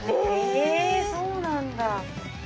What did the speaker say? へぇそうなんだ。